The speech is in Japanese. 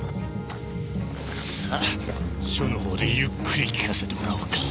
さ署のほうでゆっくり聞かせてもらおうか。